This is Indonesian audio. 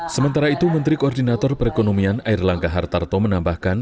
sementara itu menteri koordinator perekonomian air langga hartarto menambahkan